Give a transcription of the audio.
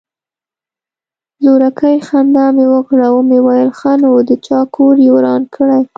زورکي خندا مې وکړه ومې ويل ښه نو د چا کور يې وران کړى.